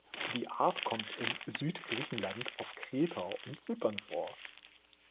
Die Art kommt in Süd-Griechenland, auf Kreta und Zypern vor.